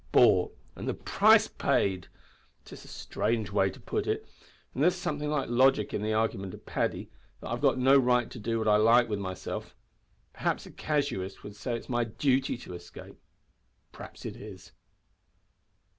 `Bought, and the price paid!' 'Tis a strange way to put it and there is something like logic in the argument of Paddy, that I've got no right to do what I like with myself! Perhaps a casuist would say it is my duty to escape. Perhaps it is!"